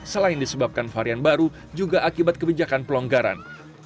selain disebabkan varian baru juga akibat kebijakan pelonggaran